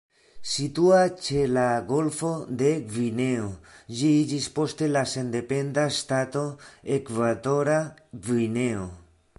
Situa ĉe la golfo de Gvineo, Ĝi iĝis poste la sendependa ŝtato Ekvatora Gvineo.